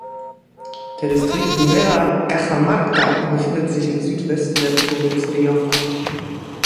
Der Distrikt Nueva Cajamarca befindet sich im Südwesten der Provinz Rioja.